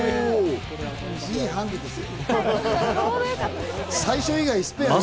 いいハンデですよ。